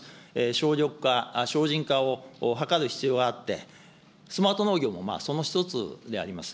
省力化、省人化を図る必要があって、スマート農業もその一つであります。